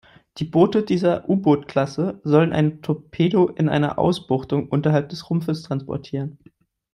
Die Boote dieser U-Boot-Klasse sollten einen Torpedo in einer Ausbuchtung unterhalb des Rumpfes transportieren.